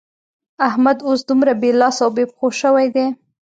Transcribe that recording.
احمد اوس دومره بې لاس او بې پښو شوی دی.